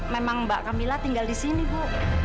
memang mbak camilla tinggal di sini bu